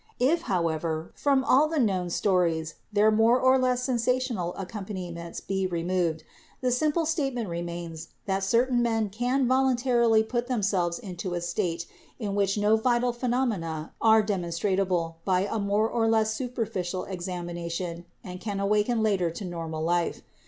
If, however, from all the known stories their more or less sensational accompaniments be removed, the simple state ment remains that certain men can voluntarily put them selves into a state in which no vital phenomena are demon strable by a more or less superficial examination and can awaken later to normal life.